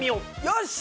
よし！